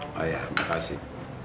oh ya makasih